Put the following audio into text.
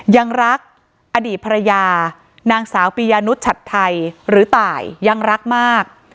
ยังรักอดีตภรรยานางสาวปียานุชชัดไทยหรือตายยังรักมาก